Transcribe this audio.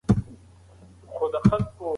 هر ماښام د ارامۍ لپاره یو کتاب لولم.